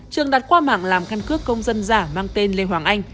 trường đặt qua mạng làm căn cướp công dân giả mang tên lê hoàng anh